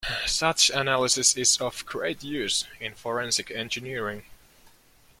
Such analysis is of great use in forensic engineering.